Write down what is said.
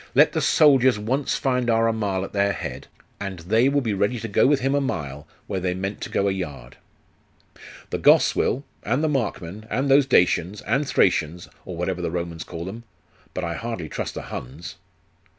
Let the soldiers once find our Amal at their head, and they will be ready to go with him a mile, where they meant to go a yard.' 'The Goths will, and the Markmen, and those Dacians, and Thracians, or whatever the Romans call them. But I hardly trust the Huns.